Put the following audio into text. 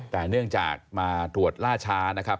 แต่เนื่องจากมาตรวจล่าช้านะครับ